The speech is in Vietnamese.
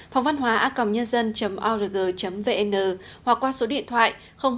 phongvănhoa org vn hoặc qua số điện thoại hai trăm bốn mươi ba hai trăm sáu mươi sáu chín nghìn năm trăm linh tám